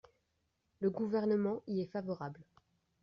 Le Gouvernement y est favorable.